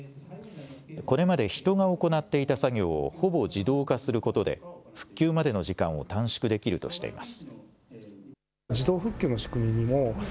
これまで人が行っていた作業をほぼ自動化することで復旧までの時間を短縮できるとしています。